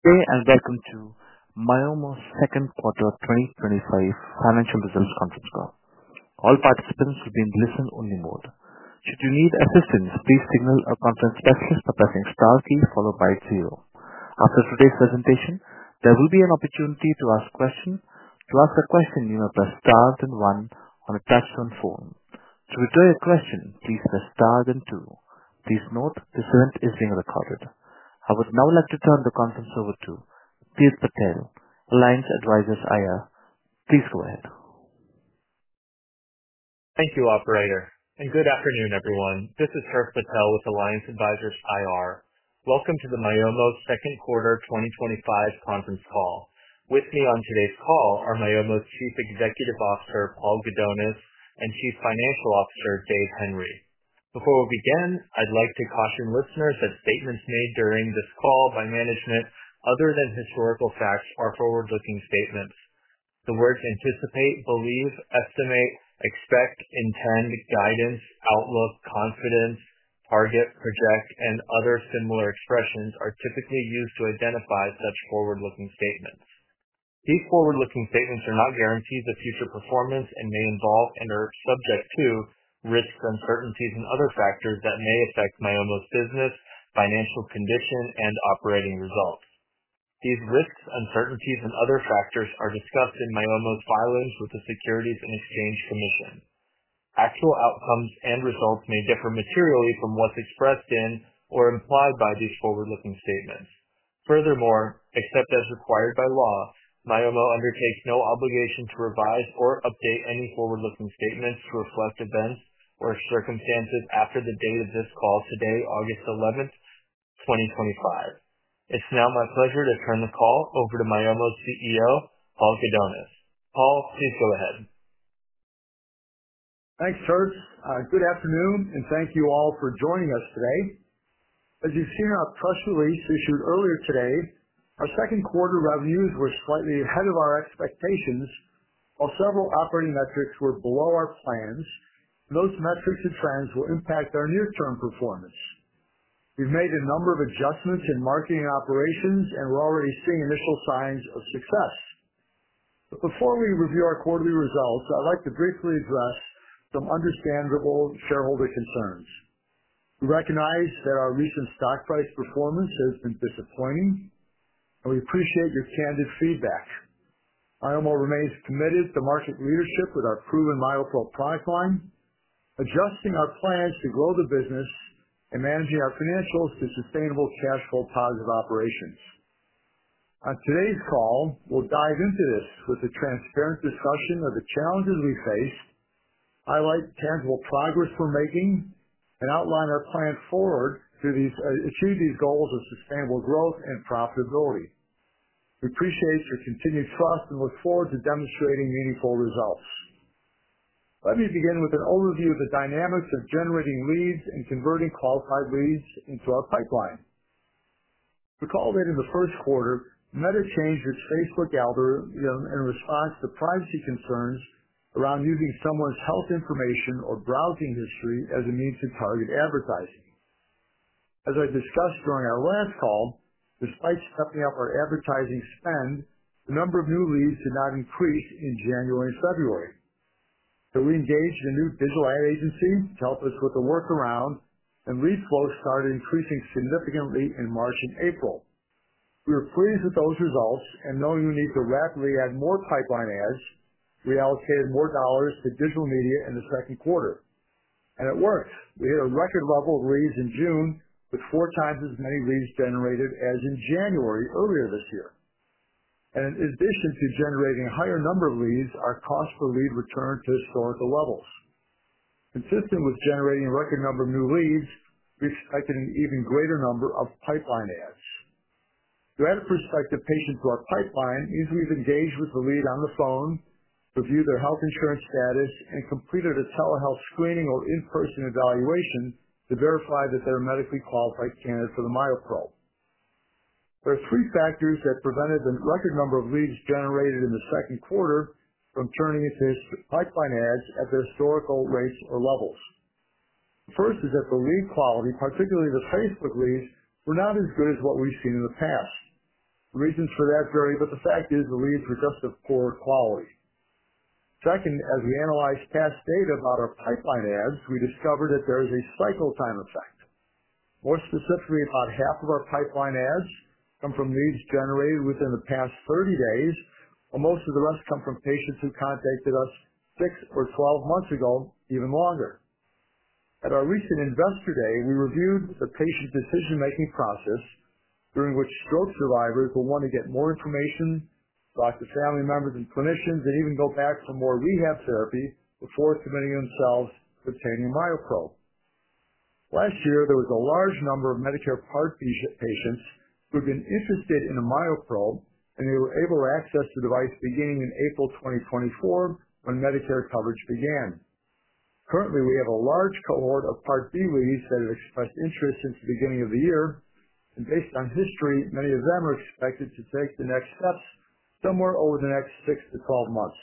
Okay, and welcome to Myomo's Second Quarter 2025 Financial Results Conference Call. All participants will be in listen-only mode. Should you need assistance, please signal our conference specialist by pressing the Star key followed by zero. After today's presentation, there will be an opportunity to ask questions. To ask a question, you may press Star then one on a touch-tone phone. To withdraw your question, please press Star then two. Please note this event is being recorded. I would now like to turn the conference over to Tirth Patel, Alliance Advisors IR. Please go ahead. Thank you, operator. Good afternoon, everyone. This is Tirth Patel with Alliance Advisors IR. Welcome to the Myomo Second Quarter 2025 Conference Call. With me on today's call are Myomo's Chief Executive Officer, Paul Gudonis, and Chief Financial Officer, Dave Henry. Before we begin, I'd like to caution listeners that statements made during this call by management, other than historical facts, are forward-looking statements. The words anticipate, believe, estimate, expect, intend, guidance, outlook, confidence, target, project, and other similar expressions are typically used to identify such forward-looking statements. These forward-looking statements are not guaranteed future performance and may involve and are subject to risks, uncertainties, and other factors that may affect Myomo's business, financial condition, and operating results. These risks, uncertainties, and other factors are discussed in Myomo's filings with the Securities and Exchange Commission. Actual outcomes and results may differ materially from what's expressed in or implied by these forward-looking statements. Furthermore, except as required by law, Myomo undertakes no obligation to revise or update any forward-looking statements to reflect events or circumstances after the date of this call today, August 11, 2025. It's now my pleasure to turn the call over to Myomo CEO, Paul Gudonis. Paul, please go ahead. Thanks, Tirth. Good afternoon, and thank you all for joining us today. As you've seen in our press release we issued earlier today, our second quarter revenues were slightly ahead of our expectations, while several operating metrics were below our plans. Those metrics and trends will impact our near-term performance. We've made a number of adjustments in marketing and operations, and we're already seeing initial signs of success. Before we review our quarterly results, I'd like to briefly address some understandable shareholder concerns. We recognize that our recent stock price performance has been disappointing, and we appreciate your candid feedback. Myomo remains committed to market leadership with our proven MyoPro product line, adjusting our plans to grow the business and managing our financials to sustainable, cash-flow, positive operations. On today's call, we'll dive into this with a transparent discussion of the challenges we face, highlight tangible progress we're making, and outline our plans forward to achieve these goals of sustainable growth and profitability. We appreciate your continued trust and look forward to demonstrating meaningful results. Let me begin with an overview of the dynamics of generating leads and converting qualified leads into our pipeline. Recall that in the first quarter, Meta changed its Facebook algorithm in response to privacy concerns around using someone's health information or browsing history as a means to target advertising. As I discussed during our last call, despite stepping up our advertising spend, the number of new leads did not increase in January and February. We engaged a new digital ad agency to help us with the workaround, and lead flows started increasing significantly in March and April. We were pleased with those results and knowing we need to rapidly add more pipeline ads, we allocated more dollars to digital media in the second quarter. It worked. We hit a record level of leads in June, with 4x as many leads generated as in January earlier this year. In addition to generating a higher number of leads, our cost per lead returned to historical levels. Consistent with generating a record number of new leads, we expected an even greater number of pipeline ads. To add a prospective patient to our pipeline, usually, we've engaged with the lead on the phone, reviewed their health insurance status, and completed a telehealth screening or in-person evaluation to verify that they're a medically qualified candidate for the MyoPro. There are three factors that prevented the record number of leads generated in the second quarter from turning into pipeline adds at their historical rates or levels. The first is that the lead quality, particularly the Facebook leads, were not as good as what we've seen in the past. The reasons for that vary, but the fact is the leads were just of poor quality. Second, as we analyzed past data about our pipeline adds, we discovered that there is a cycle time effect. More specifically, about half of our pipeline adds come from leads generated within the past 30 days, while most of the rest come from patients who contacted us 6 or 12 months ago, even longer. At our recent investor day, we reviewed the patient decision-making process, during which growth survivors will want to get more information, talk to family members and clinicians, and even go back for more rehab therapy before committing themselves to obtaining MyoPro. Last year, there was a large number of Medicare Advantage patients who had been interested in the MyoPro, and they were able to access the device beginning in April 2024 when Medicare coverage began. Currently, we have a large cohort of Medicare Part B leads that have expressed interest since the beginning of the year, and based on history, many of them are expected to take the next steps somewhere over the next 6-12 months.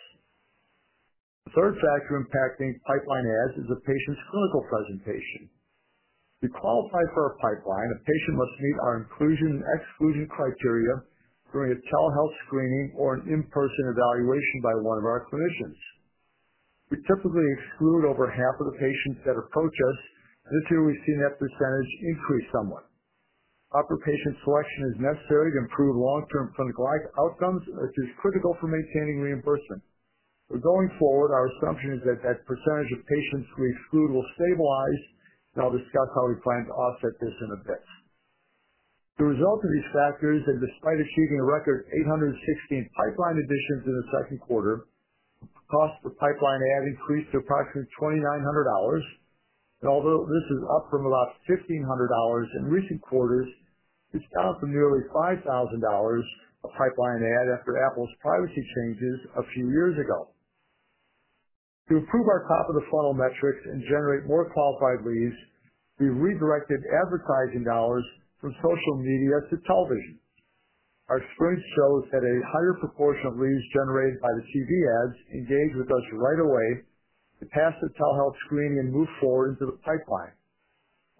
The third factor impacting pipeline adds is the patient's clinical presentation. To qualify for a pipeline, a patient must meet our inclusion and exclusion criteria during a telehealth screening or an in-person evaluation by one of our clinicians. We typically exclude over half of the patients that approach us, and this year, we've seen that percentage increase somewhat. Proper patient selection is necessary to improve long-term clinical outcomes, which is critical for maintaining reimbursement. Going forward, our assumption is that that percentage of patients we exclude will stabilize, and I'll discuss how we plan to offset this in a bit. The result of these factors, and despite achieving a record 816 pipeline additions in the second quarter, the cost per pipeline add increased to approximately $2,900. Although this is up from about $1,500 in recent quarters, it's down from nearly $5,000 per pipeline add after Apple's privacy changes a few years ago. To improve our top-of-the-funnel metrics and generate more qualified leads, we redirected advertising dollars from social media to television. Our spring shows had a higher proportion of leads generated by the TV ads engaged with us right away to pass the telehealth screening and move forward into the pipeline.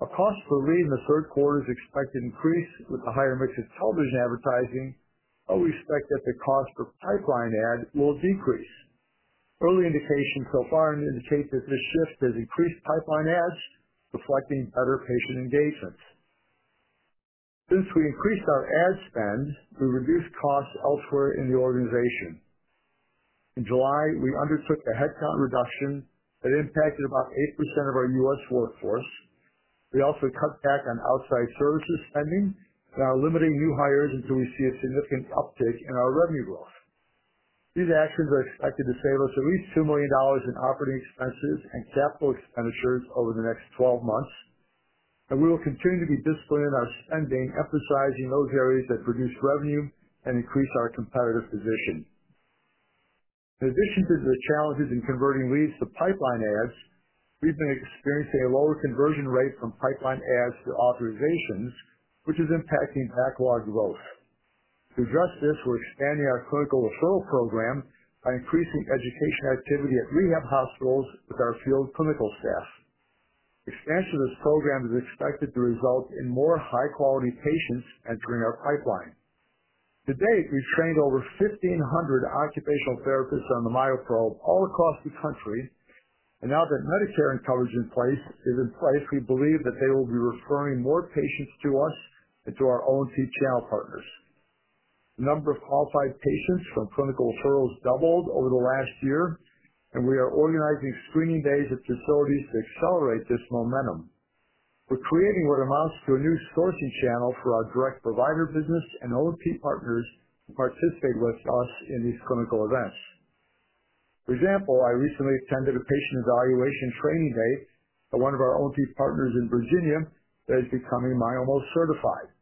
Our cost per lead in the third quarter is expected to increase with the higher mix of television advertising, but we expect that the cost per pipeline add will decrease. Early indications so far indicate that this shift has increased pipeline adds, reflecting better patient engagement. Since we increased our ad spend, we reduced costs elsewhere in the organization. In July, we undertook a headcount reduction that impacted about 8% of our U.S. workforce. We also cut back on outside services spending by limiting new hires until we see a significant uptick in our revenue growth. These actions are expected to save us at least $2 million in operating expenses and capital expenditures over the next 12 months, and we will continue to be disciplined in our spending, emphasizing those areas that reduce revenue and increase our competitive position. In addition to the challenges in converting leads to pipeline adds, we've been experiencing a lower conversion rate from pipeline adds to authorizations, which is impacting backlog growth. To address this, we're expanding our clinical referral program by increasing education activity at rehab hospitals with our field clinical staff. Expansion of this program is expected to result in more high-quality patients entering our pipeline. To date, we've trained over 1,500 occupational therapists on the MyoPro all across the country, and now that Medicare coverage is in place, we believe that they will be referring more patients to us and to our own key channel partners. The number of qualified patients from clinical referrals doubled over the last year, and we are organizing screening days at facilities to accelerate this momentum. We're creating what amounts to a new sourcing channel for our direct provider business and OT partners to participate with us in these clinical events. For example, I recently attended a patient evaluation training day at one of our OT partners in Virginia that is becoming Myomo certified.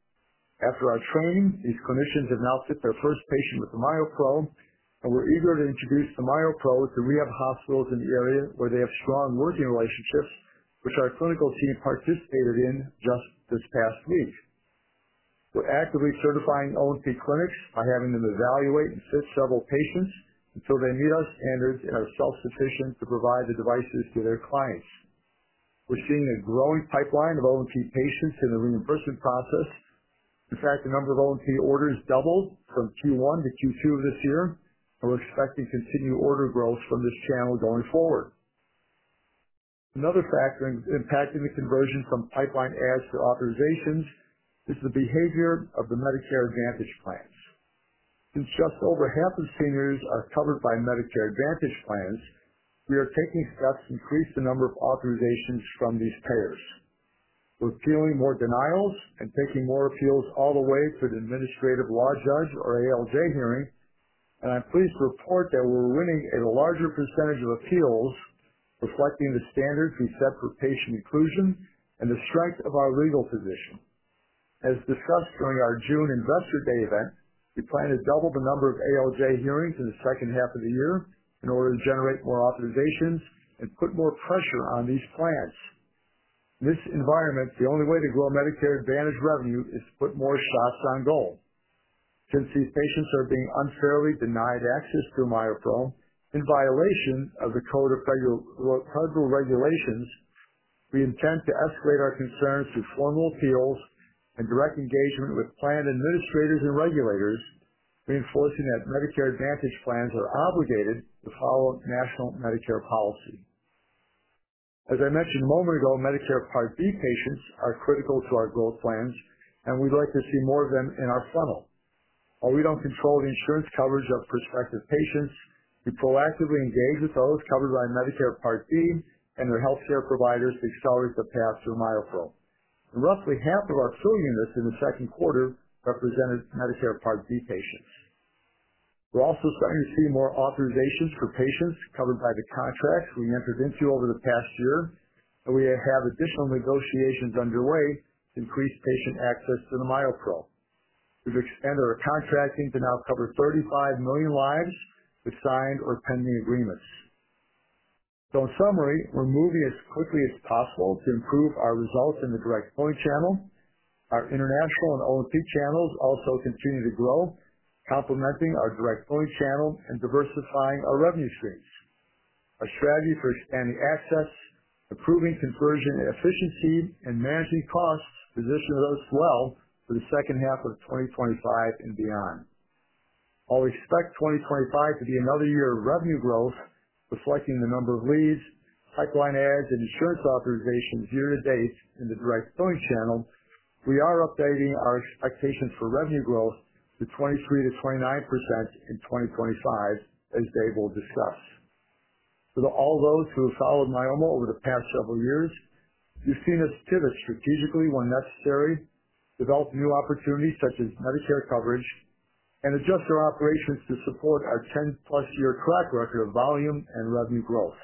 After our training, these clinicians have now fit their first patient with the MyoPro, and we're eager to introduce the MyoPro to rehab hospitals in the area where they have strong working relationships, which our clinical team participated in just this past week. We're actively certifying OT clinics by having them evaluate and fit several patients until they meet our standards and are self-sufficient to provide the devices to their clients. We're seeing a growing pipeline of OT patients in the reimbursement process. In fact, the number of OT orders doubled from Q1-Q2 of this year, and we're expecting continued order growth from this channel going forward. Another factor impacting the conversion from pipeline adds to authorizations is the behavior of the Medicare Advantage plans. Since just over half of seniors are covered by Medicare Advantage plans, we are taking steps to increase the number of authorizations from these payers. We're appealing more denials and taking more appeals all the way to the administrative law judge hearings, and I'm pleased to report that we're winning at a larger percentage of appeals, reflecting the standards we set for patient inclusion and the strength of our legal position. As discussed during our June Investor Day event, we plan to double the number of AL judge hearings in the second half of the year in order to generate more authorizations and put more pressure on these plans. In this environment, the only way to grow Medicare Advantage revenue is to put more stocks on gold. Since these patients are being unfairly denied access to MyoPro in violation of the Code of Federal Regulations, we intend to escalate our concerns through formal appeals and direct engagement with plan administrators and regulators, reinforcing that Medicare Advantage plans are obligated to follow national Medicare policy. As I mentioned a moment ago, Medicare Part B patients are critical to our growth plans, and we'd like to see more of them in our funnel. While we don't control the insurance coverage of prospective patients, we proactively engage with those covered by Medicare Part B and their healthcare providers to accelerate the path through MyoPro. Roughly half of our trillion in this in the second quarter represented Medicare Part B patients. We're also trying to see more authorizations for patients covered by the contracts we entered into over the past year, and we have additional negotiations underway to increase patient access to the MyoPro. We've expanded our contracting to now cover 35 million lives with signed or pending agreements. In summary, we're moving as quickly as possible to improve our results in the direct billing channel. Our international and OT channels also continue to grow, complementing our direct billing channel and diversifying our revenue streams. Our strategy for expanding access, improving conversion efficiency, and managing costs will dictate those as well for the second half of 2025 and beyond. While we expect 2025 to be another year of revenue growth, reflecting the number of leads, pipeline additions, and insurance authorizations year-to-date in the direct billing channel, we are updating our expectations for revenue growth to 23%-29% in 2025, as Dave will discuss. For all those who have followed Myomo over the past several years, you've seen us pivot strategically when necessary, develop new opportunities such as Medicare coverage, and adjust our operations to support our 10+-year track record of volume and revenue growth.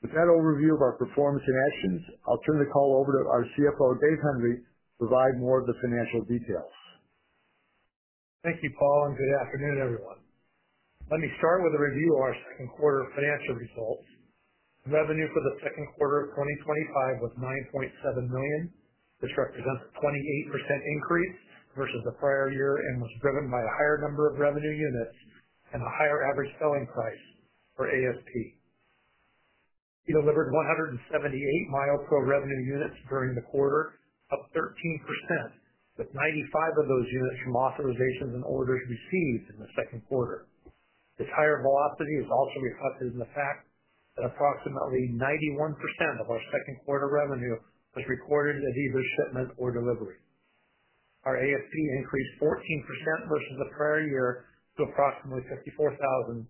With that overview of our performance and actions, I'll turn the call over to our CFO, Dave Henry, to provide more of the financial details. Thank you, Paul, and good afternoon, everyone. Let me start with a review of our second quarter financial results. The revenue for the second quarter of 2025 was $9.7 million, which represents a 28% increase versus the prior year and was driven by a higher number of revenue units and a higher average selling price or ASP. We delivered 178 MyoPro revenue units during the quarter, up 13%, with 95 of those units from authorizations and orders received in the second quarter. This higher velocity is also reflected in the fact that approximately 91% of our second quarter revenue was recorded as either shipment or delivery. Our ASP increased 14% versus the prior year to approximately $54,200.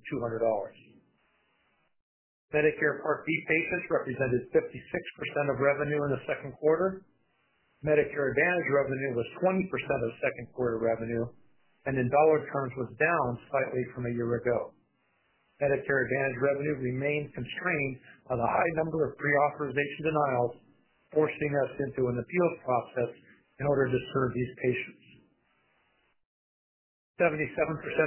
Medicare Part B patients represented 56% of revenue in the second quarter. Medicare Advantage revenue was 20% of second quarter revenue, and in dollar terms, it was down slightly from a year ago. Medicare Advantage revenue remains constrained by the high number of pre-authorization denials, forcing us into an appeal process in order to serve these patients. 77%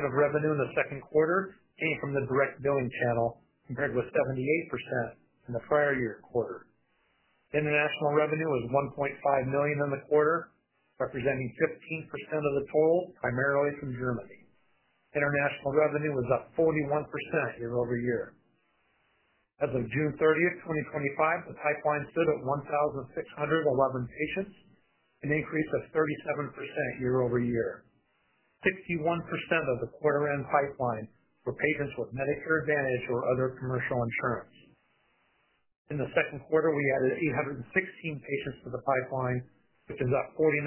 of revenue in the second quarter came from the direct billing channel, compared with 78% from the prior year quarter. International revenue was $1.5 million in the quarter, representing 15% of the total, primarily from Germany. International revenue was up 41% year-over-year. As of June 30, 2025, the pipeline stood at 1,611 patients, an increase of 37% year-over-year. 61% of the quarter-end pipeline were patients with Medicare Advantage or other commercial insurance. In the second quarter, we added 816 patients to the pipeline, which is up 49%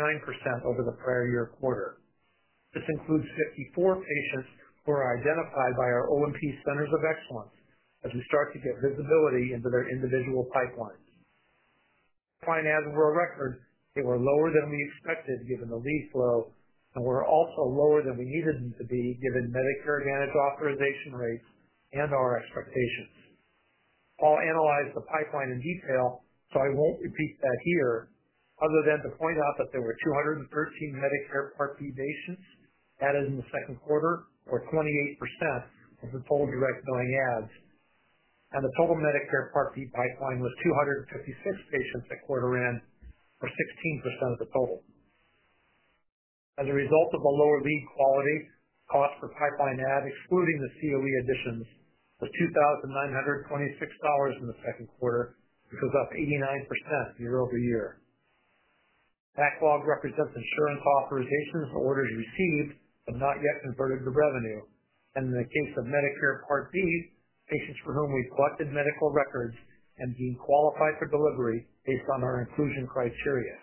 over the prior year quarter. This includes 54 patients who are identified by our OMP Centers of Excellence as we start to get visibility into their individual pipelines. Client ads were a record. They were lower than we expected, given the lead flow, and were also lower than we needed them to be, given Medicare Advantage authorization rates and our expectations. Paul analyzed the pipeline in detail, so I won't repeat that here, other than to point out that there were 213 Medicare Part B patients added in the second quarter, or 28% of the total direct billing ads, and the total Medicare Part B pipeline with 256 patients to quarter end was 16% of the total. As a result of a lower lead quality, cost per pipeline ad, excluding the COE additions, was $2,926 in the second quarter, which was up 89% year-over-year. Backlog represents insurance authorizations and orders received but not yet converted to revenue. In the case of Medicare Part B, patients for whom we collected medical records and deemed qualified for delivery based on our inclusion criteria.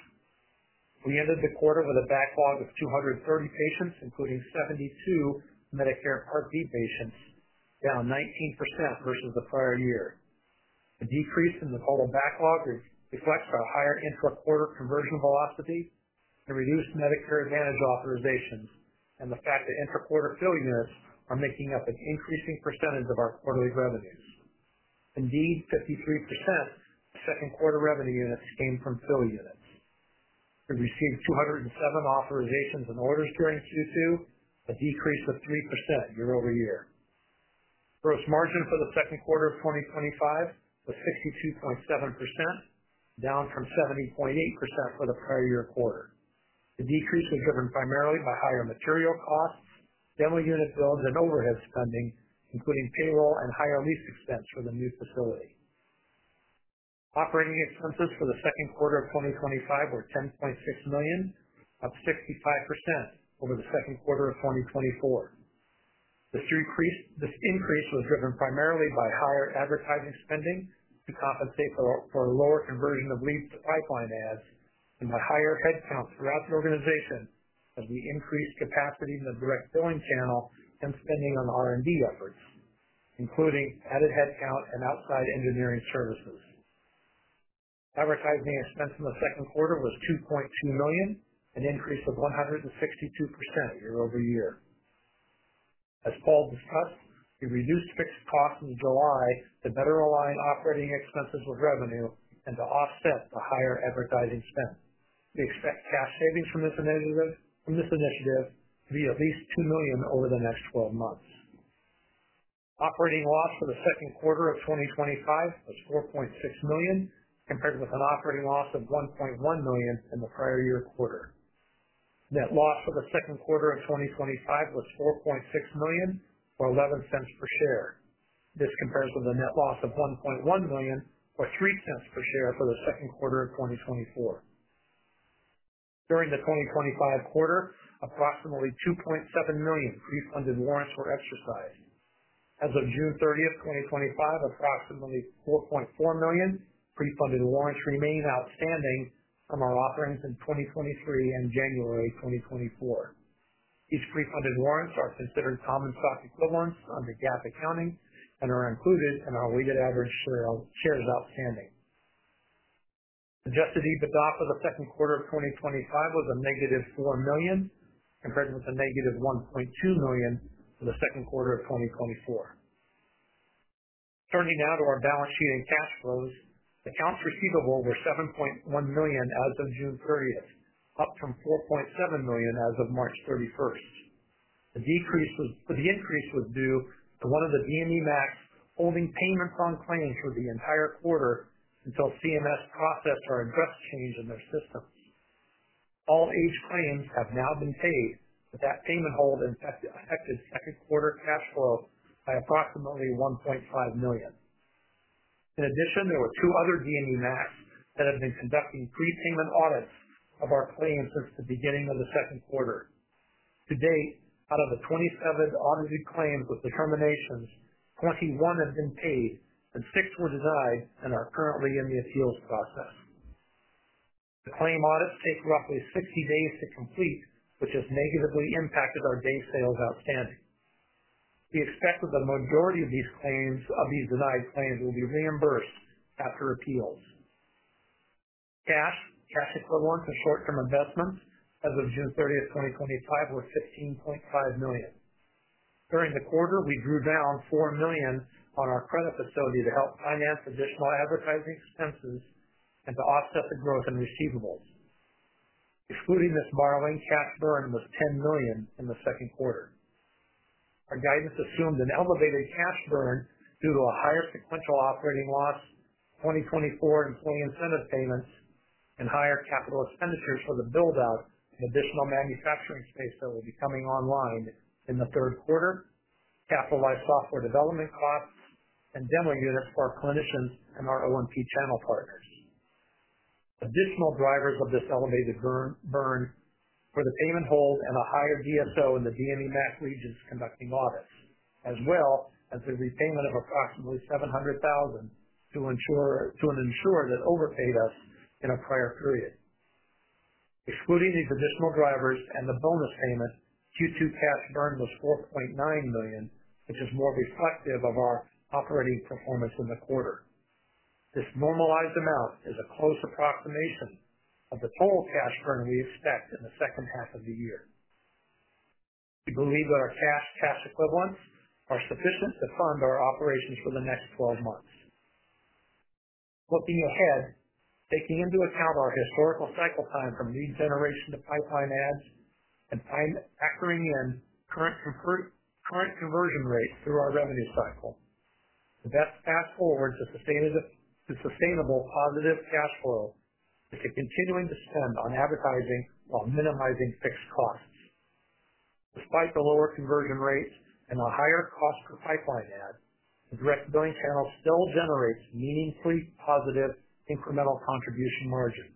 We ended the quarter with a backlog of 230 patients, including 72 Medicare Part B patients, down 19% versus the prior year. The decrease in the total backlog reflects our higher intra-quarter conversion velocity, reduced Medicare Advantage authorizations, and the fact that intra-quarter fill units are making up an increasing percentage of our quarterly revenues. Indeed, 53% of second quarter revenue units came from fill units. We received 207 authorizations and orders during Q2, a decrease of 3% year-over-year. Gross margin for the second quarter of 2025 was 52.7%, down from 70.8% for the prior year quarter. The decrease was driven primarily by higher material costs, demo unit bills, and overhead spending, including payroll and higher lease expense for the new facility. Operating expenses for the second quarter of 2025 were $10.6 million, up 55% over the second quarter of 2024. This increase was driven primarily by higher advertising spending to compensate for a lower conversion of leads to pipeline ads, higher headcount throughout the organization, the increased capacity in the direct billing channel, and spending on R&D efforts, including added headcount and outside engineering services. Advertising expense in the second quarter was $2.2 million, an increase of 162% year-over-year. As Paul discussed, we reduced fixed costs in July to better align operating expenses with revenue and to offset the higher advertising spend. We expect cash savings from this initiative to be at least $2 million over the next 12 months. Operating loss for the second quarter of 2025 was $4.6 million, compared with an operating loss of $1.1 million in the prior year quarter. Net loss for the second quarter of 2025 was $4.6 million, or $0.11 per share. This compares with a net loss of $1.1 million, or $0.03 per share for the second quarter of 2024. During the 2025 quarter, approximately 2.7 million pre-funded warrants were exercised. As of June 30, 2025, approximately 4.4 million pre-funded warrants remain outstanding from our offerings in 2023 and January 2024. Each pre-funded warrant is considered common stock equivalents under GAAP accounting and are included in our weighted average shares outstanding. Adjusted EBITDA for the second quarter of 2025 was a -$4 million, compared with a -$1.2 million for the second quarter of 2024. Turning now to our balance sheet and cash flows, accounts receivable were $7.1 million as of June 30, up from $4.7 million as of March 31. The increase was due to one of the DME MACs holding payment on claims for the entire quarter until CMS processed our address change in their system. All H claims have now been paid, but that payment hold affected second quarter cash flow by approximately $1.5 million. In addition, there were two other DME MACs that have been conducting pre-payment audits of our claims since the beginning of the second quarter. To date, out of the 27 audited claims with determinations, 21 have been paid and six were denied and are currently in the appeals process. The claim audits take roughly 60 days to complete, which has negatively impacted our days sales outstanding. We expect that the majority of these denied claims will be reimbursed after appeals. Cash equivalents and short-term investments as of June 30, 2025 were $15.5 million. During the quarter, we drew down $4 million on our credit facility to help finance additional advertising expenses and to offset the growth in receivables. Excluding this borrowing, cash burn was $10 million in the second quarter. Our guidance assumed an elevated cash burn due to a higher potential operating loss, 2024 employee incentive payments, and higher capital expenditures for the build-out and additional manufacturing space that will be coming online in the third quarter, capitalized software development costs, and demo units for clinicians and our OMP channel partners. Additional drivers of this elevated burn were the payment hold and a higher DSO in the DME MAC regions conducting audits, as well as a repayment of approximately $700,000 to an insurer that overpaid us in a prior period. Excluding these additional drivers and the bonus payment, Q2 cash burn was $4.9 million, which is more reflective of our operating performance in the quarter. This normalized amount is a close approximation of the total cash burn we expect in the second half of the year. We believe that our cash and cash equivalents are sufficient to fund our operations for the next 12 months. Looking ahead, taking into account our historical cycle time from lead generation to pipeline ads and factoring in current conversion rates through our revenue cycle, the best path forward to sustainable positive cash flow is to continue to spend on advertising while minimizing fixed costs. Despite the lower conversion rates and the higher costs of pipeline ads, the direct billing channel still generates meaningfully positive incremental contribution margins.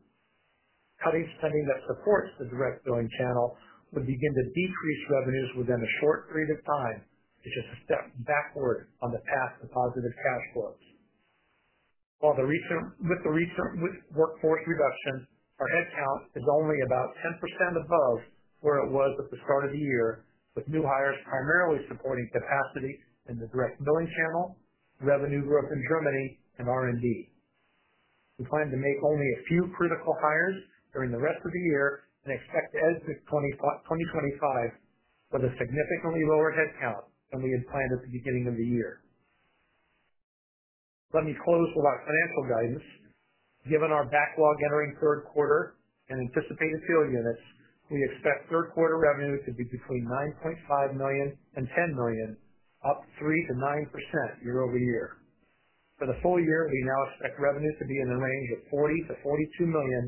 Cutting spending that supports the direct billing channel would begin to decrease revenues within a short period of time, which is a step backward on the path to positive cash flows. With the recent workforce reduction, our headcount is only about 10% above where it was at the start of the year, with new hires primarily supporting capacity in the direct billing channel, revenue growth in Germany, and R&D. We plan to make only a few critical hires during the rest of the year and expect to exit 2025 with a significantly lower headcount than we had planned at the beginning of the year. Let me close with our financial guidance. Given our backlog entering third quarter and anticipated sale units, we expect third quarter revenue to be between $9.5 million and $10 million, up 3%-9% year-over-year. For the full year, we now expect revenue to be in the range of $40 million-$42 million,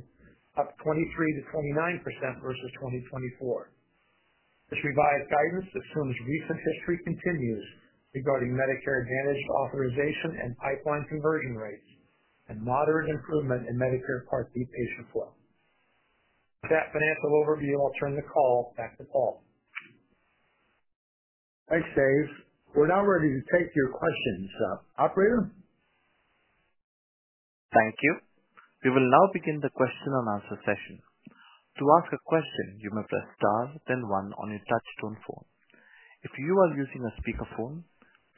up 23%-29% versus 2024. This revised guidance assumes recent history continues regarding Medicare Advantage authorization and pipeline conversion rates and moderate improvement in Medicare Part B patient flow. With that financial overview, I'll turn the call back to Paul. Thanks, Dave. We're now ready to take your questions, operator. Thank you. We will now begin the question-and-answer session. To ask a question, you may press Star then one on your touch-tone phone. If you are using a speaker phone,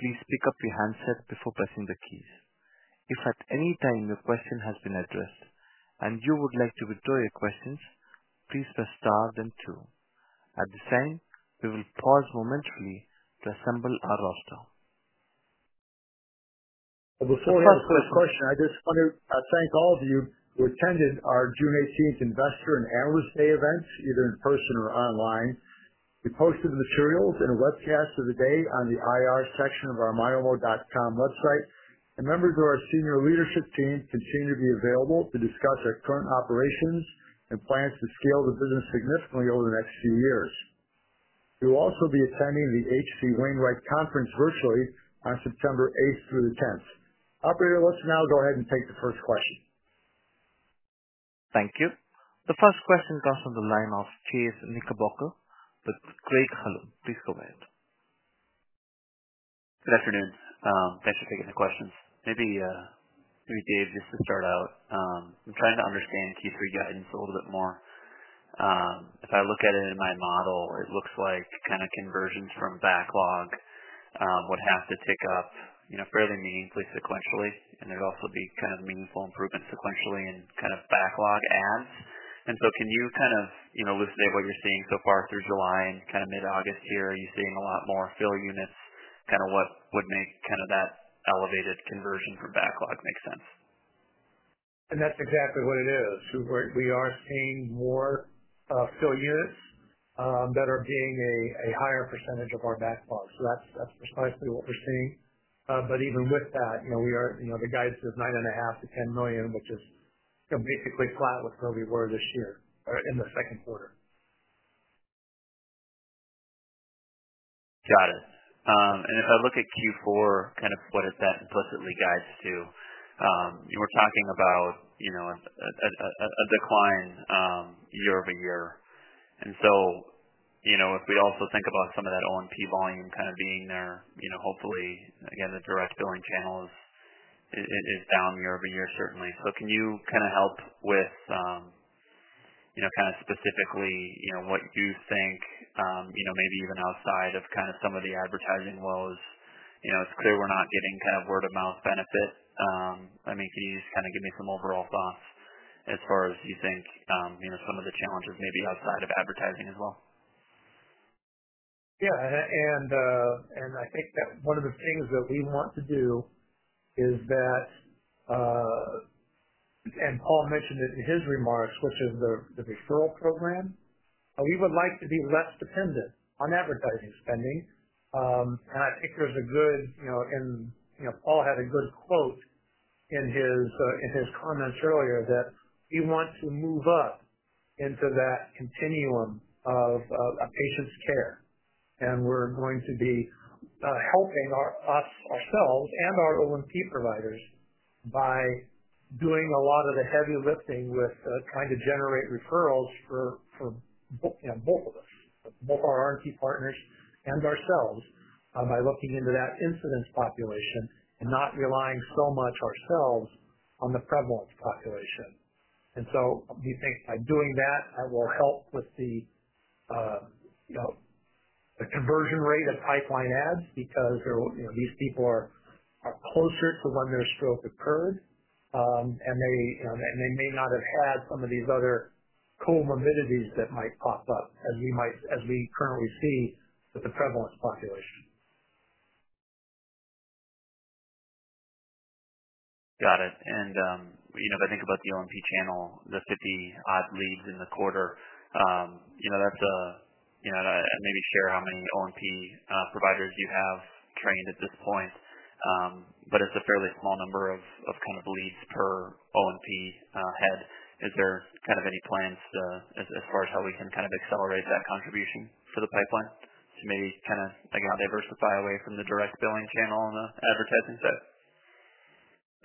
please pick up your handset before pressing the keys. If at any time your question has been addressed and you would like to withdraw your questions, please press Star then two. At this time, we will pause momentarily to assemble our roster. Before any question, I just want to thank all of you who attended our June 18th Investor and Anniversary Day events, either in person or online. We posted the materials and a webcast of the day on the IR section of our myomo.com website, and members of our Senior Leadership Team continue to be available to discuss our current operations and plans to scale the business significantly over the next few years. We will also be attending the H.C. Wainwright conference virtually on September 8th through the 10th. Operator, let's now go ahead and take the first question. Thank you. The first question goes on the line of Chase Knickerbocker with Craig-Hallum. Craig, please go ahead. Good afternoon. Thanks for taking the questions. Maybe, Dave, just to start out, I'm trying to understand key figure items a little bit more. If I look at it in my model, it looks like kind of conversions from backlog would have to take up, you know, fairly meaningfully sequentially, and there'd also be kind of meaningful improvements sequentially in kind of backlog adds. Can you kind of, you know, elucidate what you're seeing so far through July and kind of mid-August here? Are you seeing a lot more fill units? What would make kind of that elevated conversion from backlog make sense? That's exactly what it is. We are seeing more fill units that are being a higher percentage of our backlog. That's precisely what we're seeing. Even with that, you know, the guidance is $9.5 million-$10 million, which is basically flat with where we were this year in the second quarter. Got it. If I look at Q4, what does that implicitly guide us to? We're talking about a decline year-over-year. If we also think about some of that OMP volume being there, hopefully, again, the direct billing channel is down year-over-year, certainly. Can you help with specifically what you think, maybe even outside of some of the advertising woes? It's clear we're not getting word-of-mouth benefits. Can you give me some overall thoughts as far as you think some of the challenges may be outside of advertising as well? Yeah. I think that one of the things that we want to do is that, and Paul mentioned it in his remarks, which is the referral program, we would like to be less dependent on advertising spending. I think there's a good, you know, and you know, Paul had a good quote in his comments earlier that we want to move up into that continuum of a patient's care. We're going to be helping ourselves and our OMP providers by doing a lot of the heavy lifting with trying to generate referrals for both our R&D partners and ourselves by looking into that incident population and not relying so much ourselves on the prevalence population. We think by doing that, it will help with the conversion rate of pipeline ads because these people are closer to when their stroke occurred, and they may not have had some of these other comorbidities that might pop up as we currently see with the prevalence population. Got it. If I think about the OMP channel, the 50-odd leads in the quarter, that's a, maybe share how many OMP providers you have trained at this point, but it's a fairly small number of leads per OMP head. Is there any plans as far as how we can accelerate that contribution for the pipeline? Maybe, again, diversify away from the direct billing channel and the advertising side.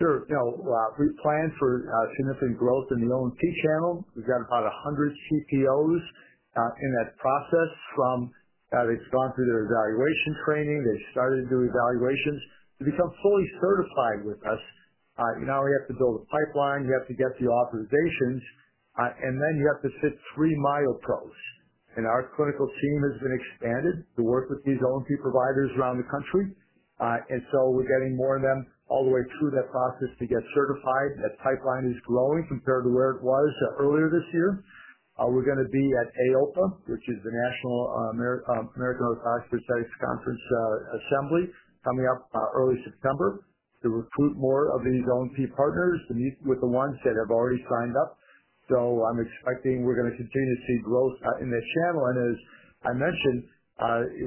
Sure. We've planned for significant growth in the OMP channel. We've got about 100 CPOs in that process from they've gone through their evaluation training. They've started to do evaluations to become fully certified with us. You now have to build a pipeline. You have to get the authorizations. You have to fit free MyoPros. Our clinical team has been expanded to work with these OMP providers around the country. We're getting more of them all the way through that process to get certified. That pipeline is growing compared to where it was earlier this year. We're going to be at AOPA, which is the National American Orthotic Prosthetic Association Assembly coming up early September to recruit more of these OMP partners with the ones that have already signed up. I'm expecting we're going to continue to see growth in that channel. As I mentioned,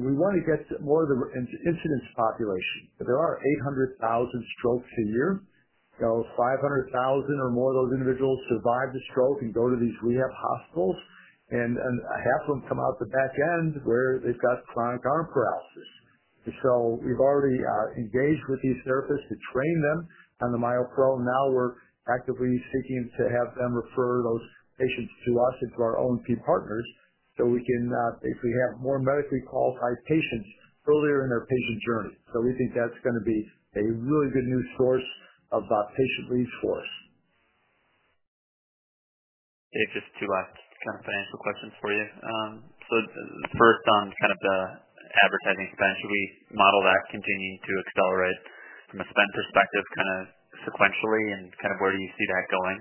we want to get more of the incident stroke population. There are 800,000 strokes a year. 500,000 or more of those individuals survive the stroke and go to these rehab hospitals, and half of them come out the back end where they've got chronic arm paralysis. We've already engaged with these therapists to train them on the MyoPro. Now we're actively seeking to have them refer those patients to us and to our OMP partners so we can basically have more medically qualified patients earlier in their patient journey. We think that's going to be a really good new source of patient reach for us. Just two last kind of financial questions for you. First, on kind of the advertising spend, should we model that continuing to accelerate from a spend perspective sequentially, and where do you see that going?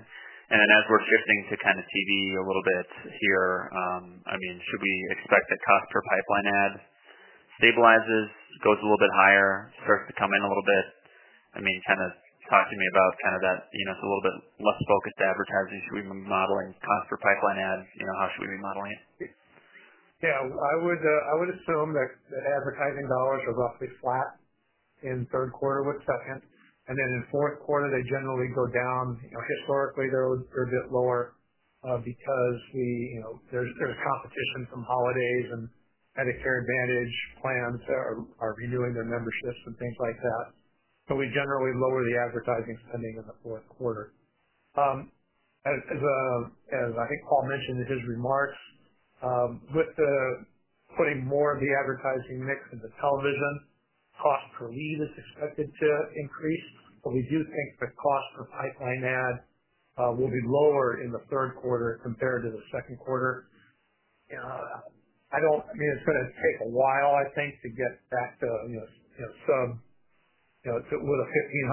As we're shifting to TV a little bit here, should we expect that cost per pipeline ad stabilizes, goes a little bit higher, or starts to come in a little bit? Talk to me about that. It's a little bit less focused advertising. Should we be modeling cost per pipeline ad? How should we be modeling it? Yeah. I would assume that the advertising dollars are roughly flat in third quarter with second. In fourth quarter, they generally go down. Historically, they're a bit lower because there's competition from holidays and Medicare Advantage plans that are renewing their memberships and things like that. We generally lower the advertising spending in the fourth quarter. As I think Paul mentioned in his remarks, with putting more of the advertising mix into television, cost per lead is expected to increase. We do think the cost per pipeline ad will be lower in the third quarter compared to the second quarter. I don't mean it's going to take a while, I think, to get back to the sub, you know, to what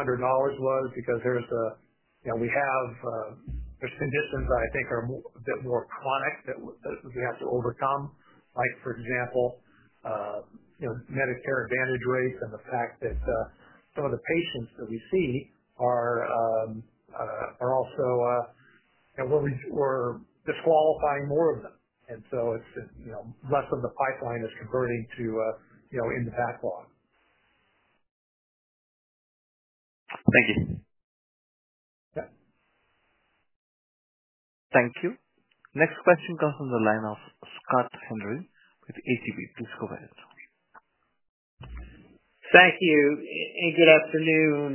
$1,500 was because there's a, you know, we have some conditions that I think are a bit more chronic that we have to overcome, like for example, you know, Medicare Advantage rates and the fact that some of the patients that we see are, are also, and we're disqualifying more of them. It's just, you know, less of the pipeline is converting to, you know, in the backlog. Thank you. Thank you. Next question comes from the line of Scott Henry with AGB. Please go ahead. Thank you. And good afternoon.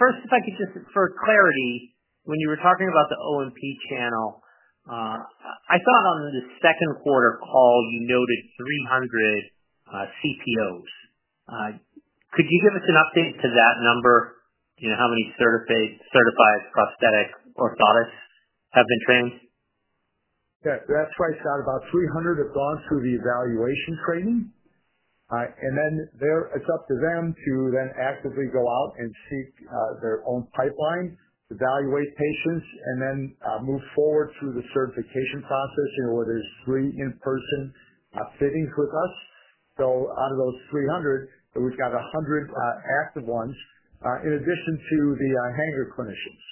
First, if I could just for clarity, when you were talking about the OMP channel, I thought on the second quarter call you noted 300 CPOs. Could you give us an update to that number? Do you know how many certified prosthetists and orthotists have been trained? Yeah. That's what I said. About 300 have gone through the evaluation training, and then it's up to them to then actively go out and seek their own pipelines, evaluate patients, and then move forward through the certification process, you know, whether it's screen in-person, fittings with us. Out of those 300, we've got 100 active ones, in addition to the Hanger clinicians.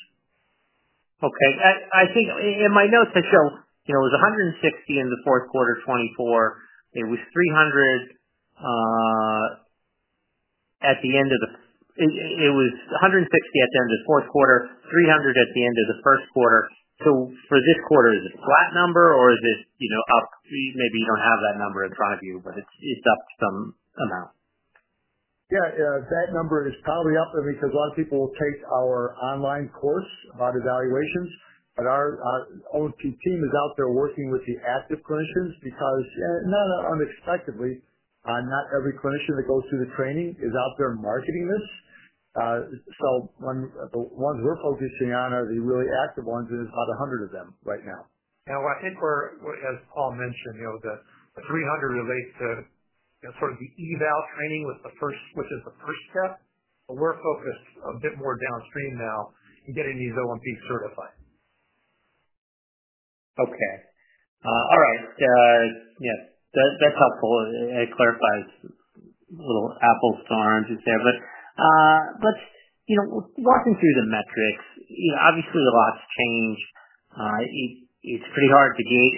Okay. I think in my notes, I show, you know, it was 160 in the fourth quarter 2024. It was 300 at the end of the, it was 160 at the end of the fourth quarter, 300 at the end of the first quarter. For this quarter, is it a flat number, or is this up? Maybe you don't have that number in front of you, but it's up some amount. Yeah. That number is probably up because a lot of people will take our online course about evaluations. Our OMP team is out there working with the active clinicians because, not unexpectedly, not every clinician that goes through the training is out there marketing this. The ones we're focusing on are the really active ones, and there's about 100 of them right now. I think we're, as Paul mentioned, you know, the 300 relate to, you know, sort of the eval training, which is the first step. We're focused a bit more downstream now in getting these OMP certified. Okay, all right. Yes, that's helpful. It clarifies a little Apple storm, as you said. Walking through the metrics, obviously, a lot's changed. It's pretty hard to gauge.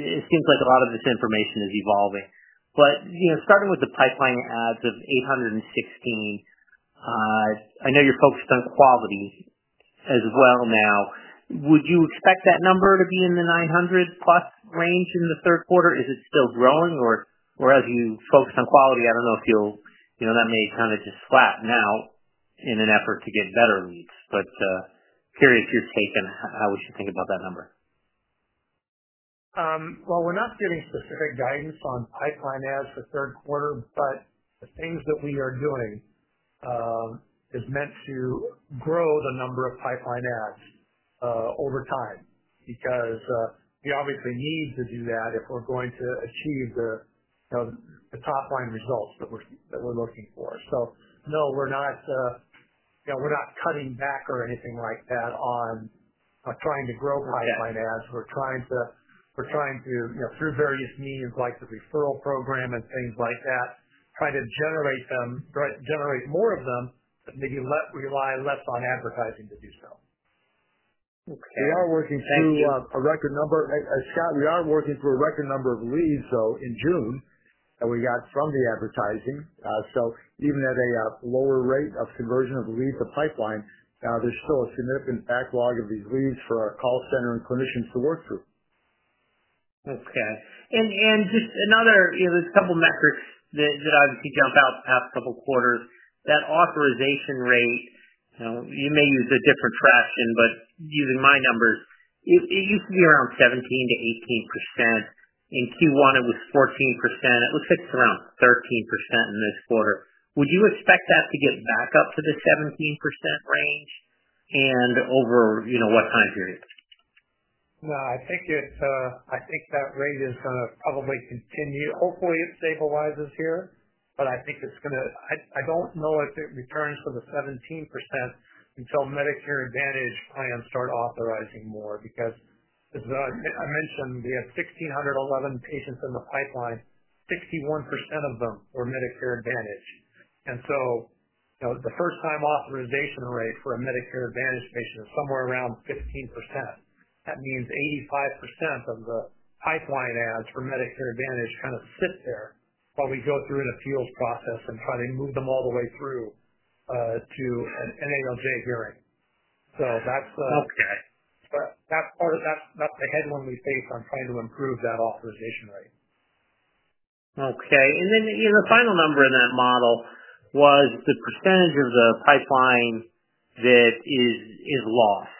It seems like a lot of this information is evolving. Starting with the pipeline ads of 816, I know you're focused on quality as well now. Would you expect that number to be in the 900+ range in the third quarter? Is it still growing, or as you focus on quality, I don't know if you'll, that may kind of just flatten out in an effort to get better leads. Curious your take on how we should think about that number. We're not giving specific guidance on pipeline ads for third quarter, but the things that we are doing are meant to grow the number of pipeline ads over time because we obviously need to do that if we're going to achieve the top-line results that we're looking for. No, we're not cutting back or anything like that on trying to grow pipeline ads. We're trying to, through various means like the referral program and things like that, generate more of them, but maybe rely less on advertising to do so. Okay. We are working through a record number. Scott, we are working through a record number of leads in June that we got from the advertising. Even at a lower rate of conversion of leads to pipeline, there's still a significant backlog of these leads for our call center and clinicians to work through. Okay. There's a couple of metrics that obviously jump out the past couple of quarters. That authorization rate, you may use a different fraction, but using my numbers, it used to be around 17%-18%. In Q1, it was 14%. It looks like it's around 13% in this quarter. Would you expect that to get back up to the 17% range and over what time period? No, I think that rate is going to probably continue. Hopefully, it stabilizes here, but I think it's going to, I don't know if it returns to the 17% until Medicare Advantage plans start authorizing more because, as I mentioned, we had 1,611 patients in the pipeline. 61% of them were Medicare Advantage. The first-time authorization rate for a Medicare Advantage patient is somewhere around 15%. That means 85% of the pipeline ads for Medicare Advantage kind of sit there while we go through an appeals process and try to move them all the way through to an administrative law judge hearing. That's the headwind we face on trying to improve that authorization rate. Okay. The final number in that model was the percentage of the pipeline that is lost.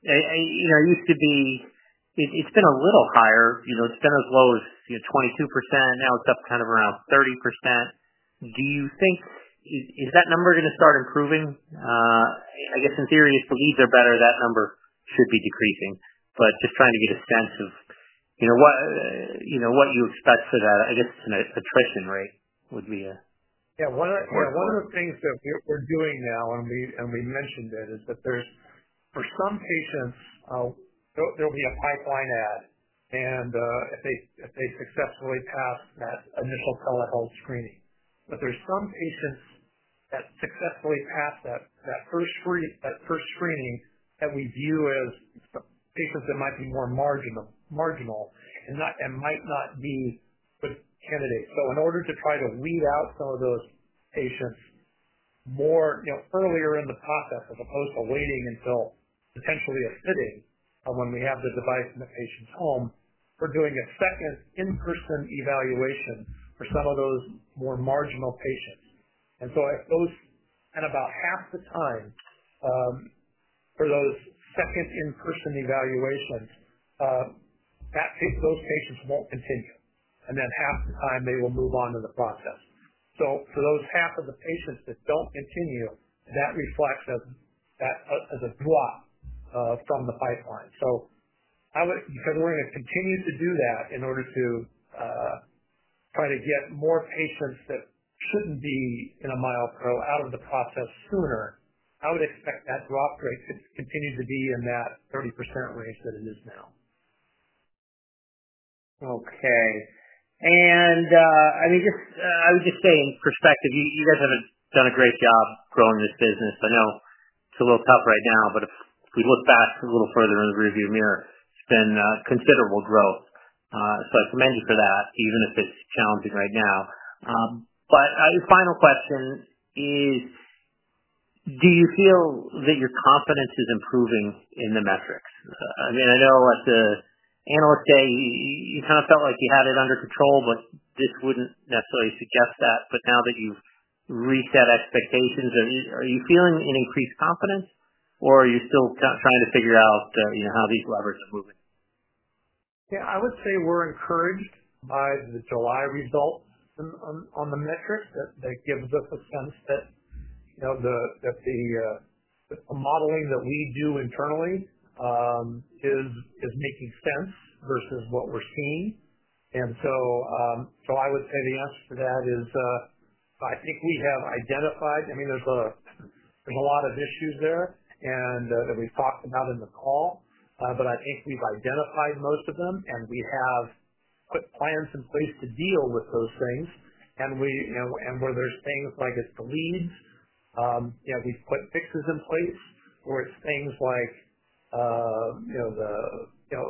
You know, it used to be, it's been a little higher. It's been as low as 22%. Now it's up kind of around 30%. Do you think that number is going to start improving? I guess in theory, if the leads are better, that number should be decreasing. Just trying to get a sense of what you expect for that. I guess a trace-in rate would be a. Yeah. One of the things that we're doing now, and we mentioned it, is that for some patients, there'll be a pipeline add. If they successfully pass that initial telehealth screening, there are some patients that successfully pass that first screening that we view as patients that might be more marginal and might not be good candidates. In order to try to weed out some of those patients more, earlier in the process as opposed to waiting until potentially a fitting when we have the device in the patient's home, we're doing a second in-person evaluation for some of those more marginal patients. At those, about half the time, for those second in-person evaluations, those patients won't continue, and half the time, they will move on to the process. For those half of the patients that don't continue, that reflects as a drop from the pipeline. Because we're going to continue to do that in order to try to get more patients that couldn't be in a MyoPro out of the process sooner, I would expect that drop rate to continue to be in that 30% range that it is now. Okay. I would just say in perspective, you guys have done a great job growing this business. I know it's a little tough right now, but if we look back a little further in the rearview mirror, it's been considerable growth. I commend you for that, even if it's challenging right now. The final question is, do you feel that your confidence is improving in the metrics? I know at the Analyst Day, you kind of felt like you had it under control, but this wouldn't necessarily suggest that. Now that you've reached that expectation, are you feeling an increased confidence, or are you still trying to figure out how these levers are moving? Yeah. I would say we're encouraged by the July results on the metrics that give us a sense that, you know, the modeling that we do internally is making sense versus what we're seeing. I would say the answer to that is, I think we have identified, I mean, there's a lot of issues there that we've talked about in the call, but I think we've identified most of them, and we have put plans in place to deal with those things. Whether it's things like the leads, these quick fixes in place, or it's things like a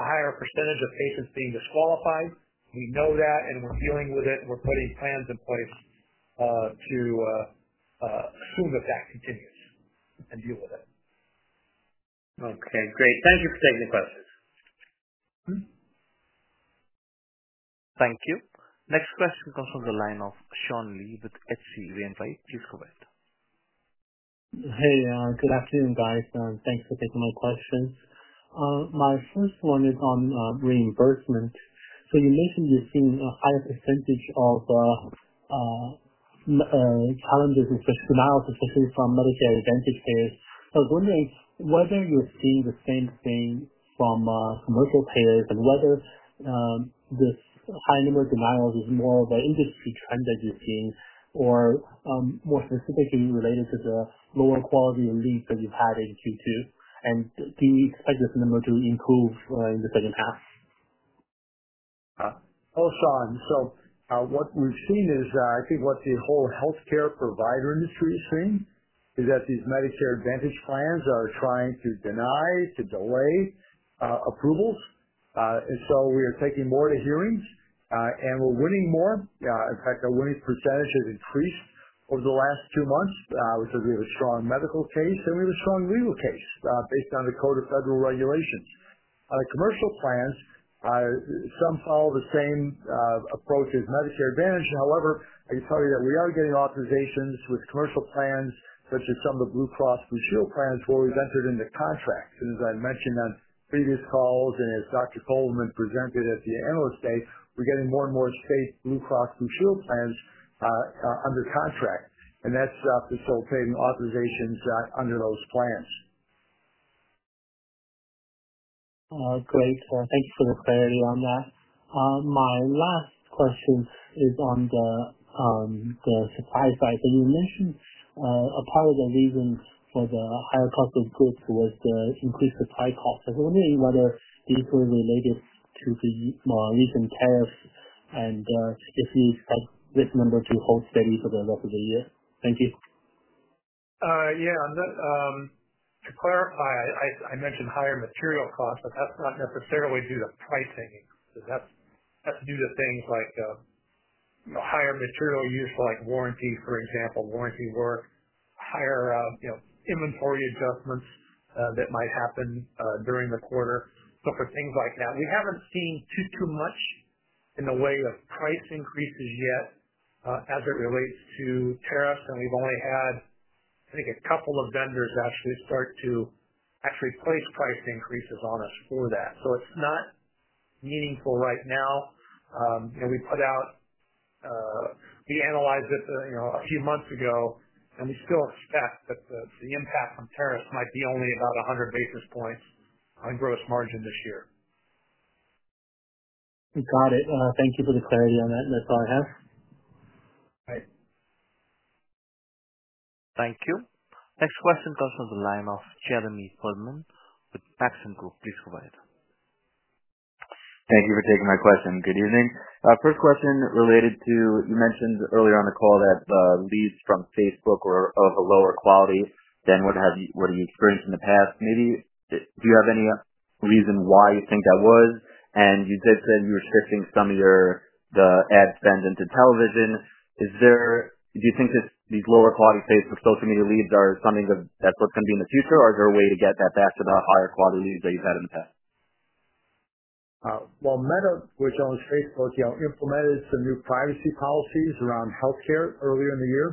higher percentage of patients being disqualified, we know that, and we're dealing with it, and we're putting plans in place to assume that that continues and deal with it. Okay. Great. Thank you for taking the questions. Thank you. Next question comes from the line of Sean Lee with HC Wainwright,. Please go ahead. Hey, good afternoon, guys. Thanks for taking my questions. My first one is on reimbursement. You mentioned you've seen a higher percentage of challenges with denials of completion from Medicare Advantage care. I was wondering whether you're seeing the same thing from commercial cares and whether this high number of denials is more of an industry trend that you've seen or more specifically related to the lower quality lead that you've had in Q2. Do you expect this number to improve in the second half? Hello, Sean. What we've seen is, I think what the whole healthcare provider industry is seeing is that these Medicare Advantage plans are trying to deny, to delay, approval. We are taking more to hearings, and we're winning more. In fact, our winning percentage has increased over the last two months, because we have a strong medical case and we have a strong legal case, based on the Code of Federal Regulation. On the commercial plans, some follow the same approach as Medicare Advantage. However, I can tell you that we are getting authorizations with commercial plans, such as some of the Blue Cross Blue Shield plans where we've entered into contracts. As I mentioned on previous calls and as Dr. Goldman presented at the Analyst Day, we're getting more and more state Blue Cross Blue Shield plans under contracts. That's facilitating authorizations under those plans. Great. Thank you for the clarity on that. My last question is on the supply side. You mentioned a part of the reasons for the higher profit groups was the increased supply cost. I was wondering whether these were related to the recent tariffs, and if you felt this number to hold steady for the rest of the year. Thank you. Yeah. I'm not, to clarify, I mentioned higher material costs, but that's not necessarily due to pricing. That's due to things like higher material use, like warranty, for example, warranty work, higher inventory adjustments that might happen during the quarter. For things like that, we haven't seen too much in the way of price increases yet as it relates to tariffs. We've only had, I think, a couple of vendors actually start to actually place price increases on us for that. It's not meaningful right now. We put out, we analyzed it a few months ago, and we still expect that the impact on tariffs might be only about 100 basis points on gross margin this year. Thank you for the clarity on that. That's all I have. All right. Thank you. Next question comes from the line of Jeremy Pearlman with Maxim Group. Please go ahead. Thank you for taking my question. Good evening. First question related to, you mentioned earlier on the call that the leads from Facebook were of a lower quality than what you experienced in the past. Do you have any reason why you think that was? You did say that you were shifting some of your ad spend into television. Do you think these lower quality pays for social media leads are something that's what's going to be in the future, or is there a way to get that back to the higher quality leads that you've had in the past? Meta, which owns Facebook, implemented some new privacy policies around healthcare earlier in the year,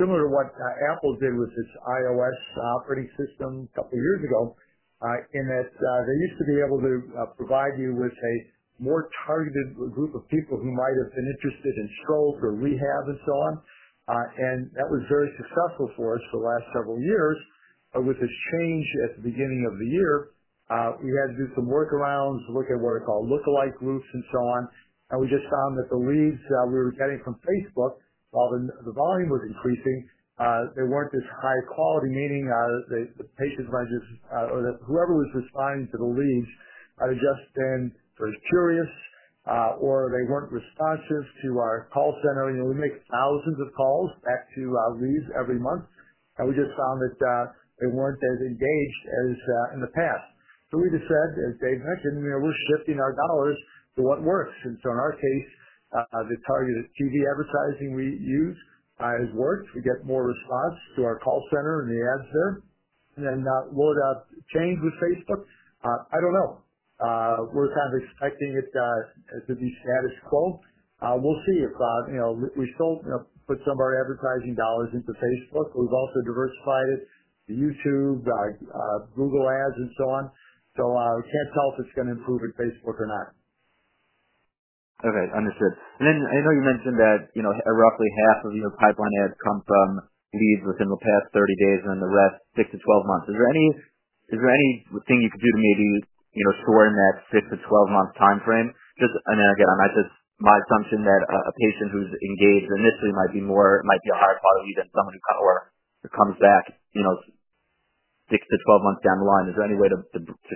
similar to what Apple did with its iOS operating system a couple of years ago, in that they used to be able to provide you with a more targeted group of people who might have been interested in stroke or rehab and so on. That was very successful for us for the last several years. With this change at the beginning of the year, we had to do some workarounds, look at what are called lookalike groups and so on. We just found that the leads that we were getting from Facebook, while the volume was increasing, they weren't this high quality, meaning the patient or whoever was responding to the leads are just in for a curious, or they weren't responsive to our call center. We make thousands of calls back to our leads every month. We just found that they weren't as engaged as in the past. As Dave mentioned, we're shifting our dollars to what works. In our case, the targeted TV advertising we use has worked to get more response to our call center and the ads there. What about change with Facebook? I don't know. We're kind of expecting it to be status quo. We'll see if we still put some of our advertising dollars into Facebook, but we've also diversified it to YouTube, Google Ads, and so on. We can't tell if it's going to improve with Facebook or not. Okay. Understood. I know you mentioned that, you know, roughly half of your pipeline ads come from leads within the past 30 days and then the rest 6-12 months. Is there anything you could do to maybe, you know, soar in that 6-12 months timeframe? Because, again, my assumption is that a patient who's engaged initially might be more, might be a higher quality lead than someone who comes back, you know, 6-12 months down the line. Is there any way to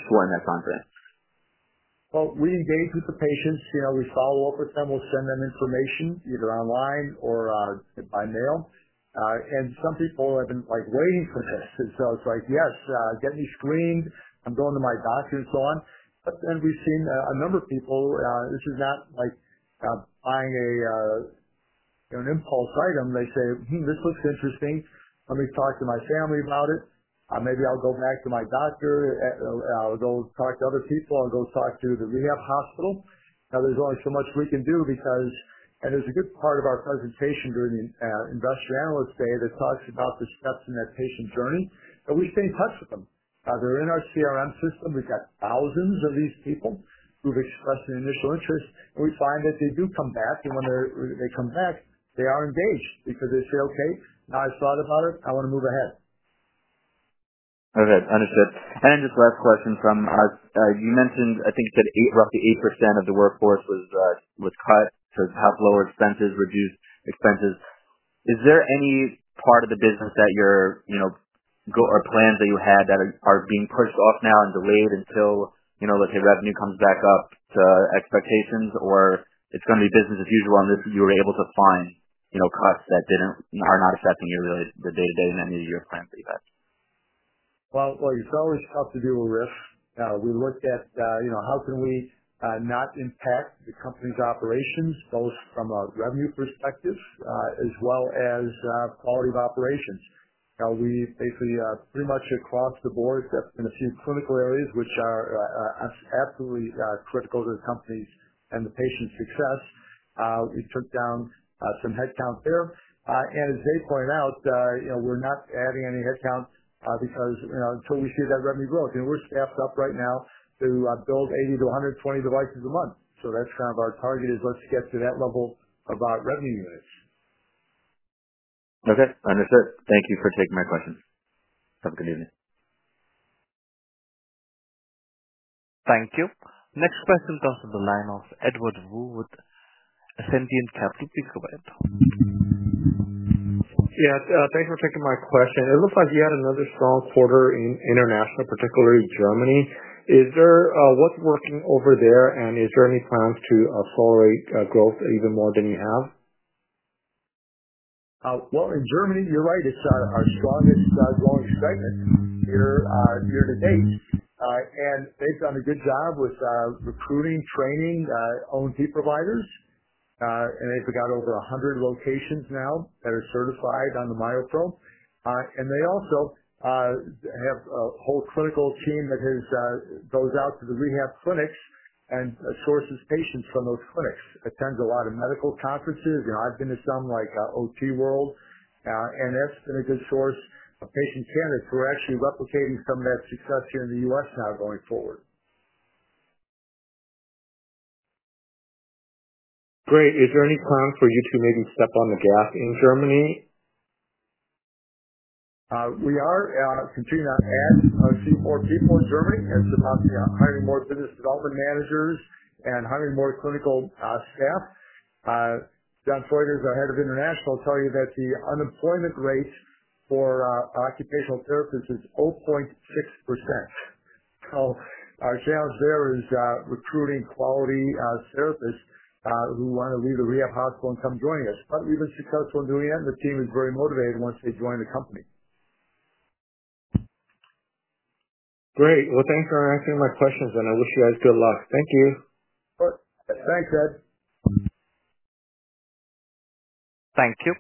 soar in that timeframe? We engage with the patients. You know, we follow up with them. We'll send them information either online or by mail. Some people have been like waiting for this, and so it's like, yes, getting these screened, I'm going to my doctor and so on. We've seen a number of people; this is not like buying an, you know, an impulse item. They say, this looks interesting. Let me talk to my family about it. Maybe I'll go back to my doctor. I'll go talk to other people. I'll go talk to the rehab hospital. Now, there's only so much we can do because there's a good part of our presentation during the Investor Analyst Day that talks about the steps in that patient journey. We stay in touch with them. They're in our CRM system. We've got thousands of these people who've expressed an initial interest. We find that they do come back, and when they come back, they are engaged because they say, "Okay, now I've thought about it. I want to move ahead. Okay. Understood. Just last question from us. You mentioned, I think you said roughly 8% of the workforce was cut because of lower expenses, reduced expenses. Is there any part of the business that you're, you know, or plans that you had that are being pushed off now and delayed until, let's say, revenue comes back up to expectations, or it's going to be business as usual and that you were able to find costs that are not affecting you really day-to-day and then your plan for you guys? It's always tough to deal with risks. We look at, you know, how can we not impact the company's operations, both from a revenue perspective, as well as the quality of operations. Now, basically, pretty much across the board, that's going to see clinical areas, which are absolutely critical to the company's and the patient's success. We took down some headcount there. As Dave Henry pointed out, you know, we're not adding any headcount because, you know, until we see that revenue growth. We're staffed up right now to build 80-120 devices a month. That's kind of our target is let's get to that level of revenue units. Okay. Understood. Thank you for taking my questions. Have a good evening. Thank you. Next question comes from the line of Edward Wu with Ascendiant Capital. Go ahead. Yeah. Thanks for taking my question. It looks like you had another strong quarter in international, particularly Germany. Is there, what's working over there, and is there any plans to accelerate growth even more than you have? In Germany, you're right. It's our strongest growing segment to date, and they've done a good job with recruiting, training OMP providers, and they've got over 100 locations now that are certified on the MyoPro. They also have a whole clinical team that goes out to the rehab clinics and sources patients from those clinics, attends a lot of medical conferences. I've been to some like OT World, and that's been a good source of patient candidates. We're actually replicating some of that success here in the U.S. now going forward. Great. Is there any plans for you to maybe step on the gap in Germany? We are continuing to add a few more people in Germany. It's about hiring more business development managers and hiring more clinical staff. John Foyter is our Head of International. I'll tell you that the unemployment rate for occupational therapists is 0.6%. Our job there is recruiting quality therapists who want to leave the rehab hospital and come join us. We've been successful in doing that, and the team is very motivated once they join the company. Great. Thanks for asking my questions, and I wish you guys good luck. Thank you. Sure. Thanks, Ed. Thank you.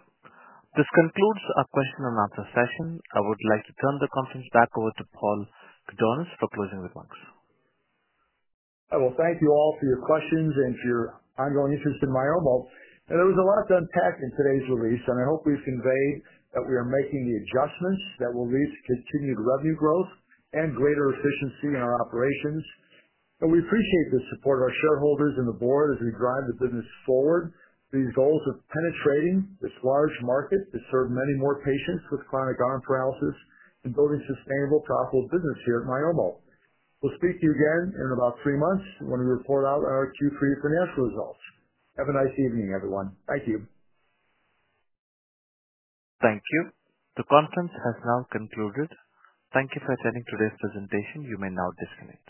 This concludes our question-and answer-session. I would like to turn the conference back over to Paul Gudonis for closing remarks. Thank you all for your questions and for your ongoing interest in Myomo. There was a lot to unpack in today's release, and I hope we've conveyed that we are making the adjustments that will lead to continued revenue growth and greater efficiency in our operations. We appreciate the support of our shareholders and the board as we drive the business forward. These goals are penetrating this large market to serve many more patients with chronic arm paralysis and building a sustainable, thoughtful business here at Myomo. We'll speak to you again in about three months when we report out our Q3 financial results. Have a nice evening, everyone. Thank you. Thank you. The conference has now concluded. Thank you for attending today's presentation. You may now disconnect.